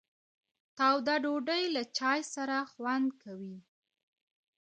تاوده ډوډۍ له چای سره خوند کوي.